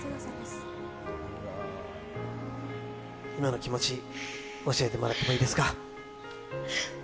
今の気持ち、教えてもらってもいいですか。